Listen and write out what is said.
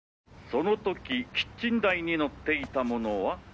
その時キッチン台に載っていたものは？